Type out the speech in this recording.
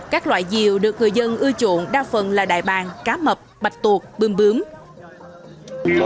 các loại diều được người dân ưu chuộng đa phần là đại bàng cá mập bạch tuột bướm bướm